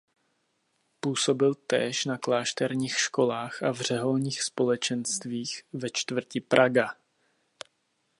Působil též na klášterních školách a v řeholních společenstvích ve čtvrti Praga.